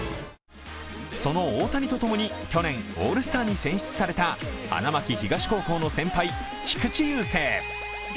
その大谷とともに去年オールスターに選出された花巻東高校の先輩、菊池雄星。